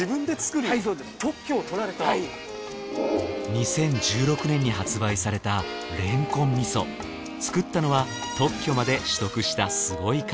２０１６年に発売された作ったのは特許まで取得したすごい方。